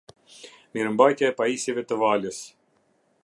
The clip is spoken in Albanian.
Mirëmbajtja e pajisjeve te valës